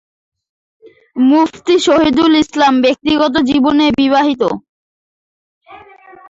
মুফতি শহীদুল ইসলাম ব্যক্তিগত জীবনে বিবাহিত।